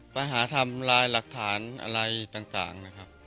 ปัญหาทำลายหลักฐานอะไรต่างนะครับ